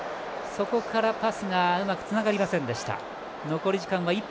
そこからパスがうまくつながりませんでした。